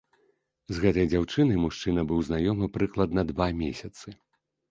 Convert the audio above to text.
З гэтай дзяўчынай мужчына быў знаёмы прыкладна два месяцы.